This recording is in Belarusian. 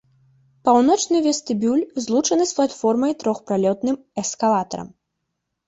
Паўночны вестыбюль злучаны з платформай трохпралётным эскалатарам.